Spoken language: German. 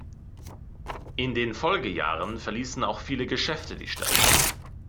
In den Folgejahren verließen auch viele Geschäfte die Stadt.